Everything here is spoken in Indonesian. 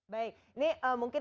baik ini mungkin